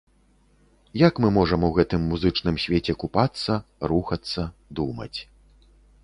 Як мы можам у гэтым музычным свеце купацца, рухацца, думаць.